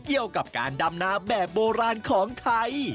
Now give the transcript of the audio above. เกี่ยวกับการดำนาแบบโบราณของไทย